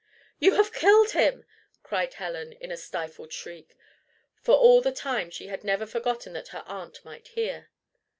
"You have killed him!" cried Helen, in a stifled shriek, for all the time she had never forgotten that her aunt might hear.